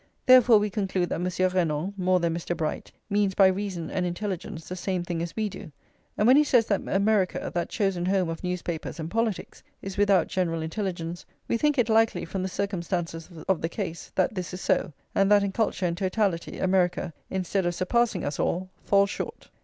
Therefore, we conclude that Monsieur Renan, more than Mr. Bright, means by reason and intelligence the same thing as we do; and when he says that America, that chosen home of newspapers and politics, is without general intelligence, we think it likely, from the circumstances of the case, that this is so; and that, in culture and totality, America, instead of surpassing us all, falls short.